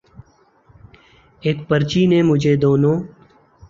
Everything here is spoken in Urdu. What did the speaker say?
ایک پرچی نے مجھے دونوں